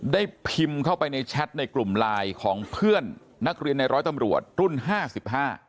ได้พิมพ์เข้าไปในแชทในกลุ่มไลน์ของเพื่อนนักเรียนในร้อยตำรวจรุ่นห้าสิบห้า